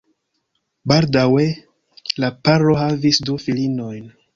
Baldaŭe la paro havis du filinojn.